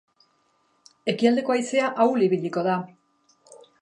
Ekialdeko haizea ahul ibiliko da.